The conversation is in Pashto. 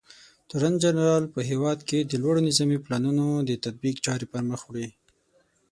تورنجنرال په هېواد کې د لوړو نظامي پلانونو د تطبیق چارې پرمخ وړي.